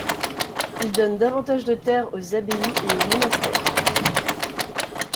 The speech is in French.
Il donne davantage de terres aux abbayes et aux monastères.